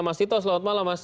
mas tito selamat malam mas